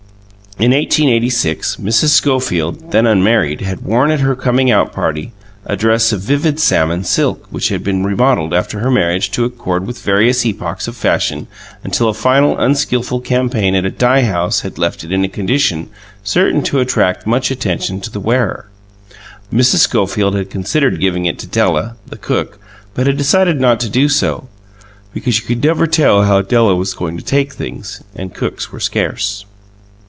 In 1886, Mrs. Schofield, then unmarried, had worn at her "coming out party" a dress of vivid salmon silk which had been remodelled after her marriage to accord with various epochs of fashion until a final, unskilful campaign at a dye house had left it in a condition certain to attract much attention to the wearer. Mrs. Schofield had considered giving it to Della, the cook; but had decided not to do so, because you never could tell how Della was going to take things, and cooks were scarce.